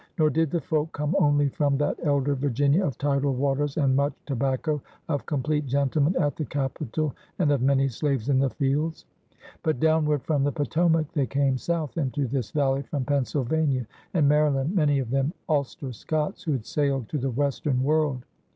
Nor did the folk come only from that elder Virginia of tidal waters and much tobacco, of ^'compleat gentlemen'' at the capital, and of many slaves in the fields. But downward from the Potomac, they came south into this valley, from Pennsylvania and Maryland, many of them Ulster Scots who had sailed to the western world.